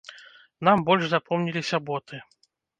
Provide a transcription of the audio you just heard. Нам больш запомніліся боты.